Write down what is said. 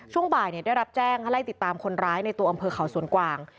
ช่วงบ่ายได้รับแจ้งให้ไล่ติดตามคนร้ายในตัวอำเภอเขาสวนกวาง